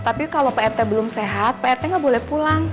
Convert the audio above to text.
tapi kalau pak rt belum sehat pak rt nggak boleh pulang